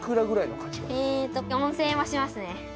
えーと、４０００円はします